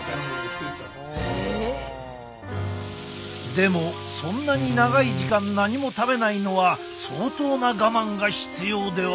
でもそんなに長い時間何も食べないのは相当な我慢が必要では？